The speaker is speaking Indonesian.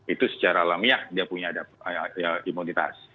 itu secara alamiah dia punya imunitas